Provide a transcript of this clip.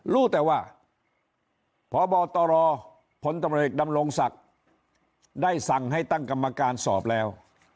รู้แต่ว่าพบตรพตดศได้สั่งให้ตั้งกรรมการสอบแล้ว